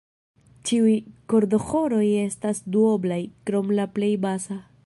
Ĉiuj kordoĥoroj estas duoblaj, krom la plej basa.